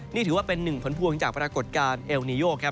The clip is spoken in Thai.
นี่ถือว่าเป็นหนึ่งผลพวงจากปรากฏการณ์เอลนิโยครับ